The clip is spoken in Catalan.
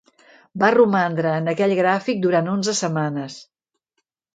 Va romandre en aquell gràfic durant onze setmanes.